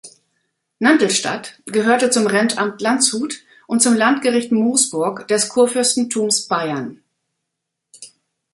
Nandlstadt gehörte zum Rentamt Landshut und zum Landgericht Moosburg des Kurfürstentums Bayern.